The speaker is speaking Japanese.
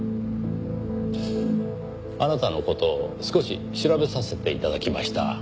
あなたの事を少し調べさせて頂きました。